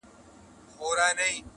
مُلا عزیز دی ټولو ته ګران دی-